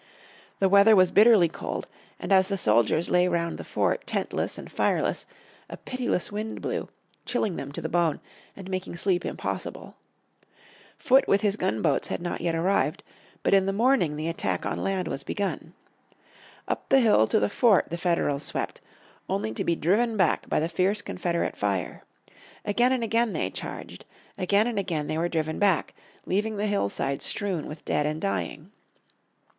The weather was bitterly cold, and as the soldiers lay round the fort tentless and fireless, a pitiless wind blew, chilling them to the bone, and making sleep impossible. Foote with his gunboats had not yet arrived, but in the morning the attack on land was begun. Up the hill to the fort the Federals swept, only to be driven back by the fierce Confederate fire. Again and again they charged. Again and again they were driven back, leaving the hillside strewn with dead and dying.